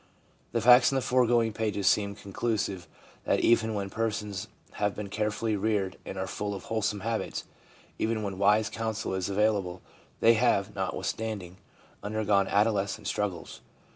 The facts in the foregoing pages seem conclusive that even when persons have been carefully reared and are full of wholesome habits, even when wise counsel is avail able, they have, notwithstanding, undergone adolescent struggles.